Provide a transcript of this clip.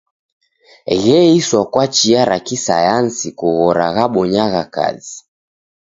Gheiswa kwa chia ra kisayansi kughora ghabonyagha kazi.